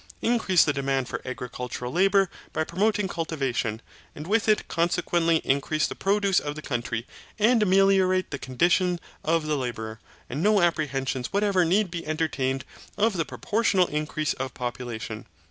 Increase the demand for agricultural labour by promoting cultivation, and with it consequently increase the produce of the country, and ameliorate the condition of the labourer, and no apprehensions whatever need be entertained of the proportional increase of population.